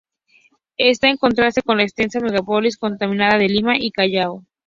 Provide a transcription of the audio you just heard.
Está en contraste con la extensa megalópolis contaminada de Lima y Callao.